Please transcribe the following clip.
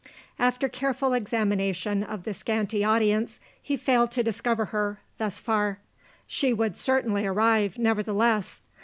After careful examination of the scanty audience, he failed to discover her thus far. She would certainly arrive, nevertheless.